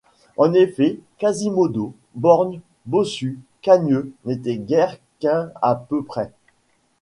En effet, Quasimodo, borgne, bossu, cagneux, n’était guère qu’un à peu près.